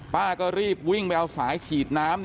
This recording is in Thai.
ป้าก็รีบวิ่งไปเอาสายฉีดน้ำ